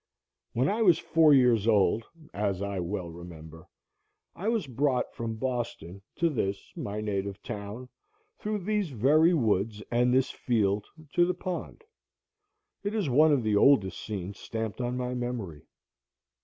When I was four years old, as I well remember, I was brought from Boston to this my native town, through these very woods and this field, to the pond. It is one of the oldest scenes stamped on my memory.